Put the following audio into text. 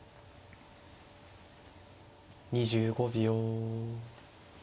２５秒。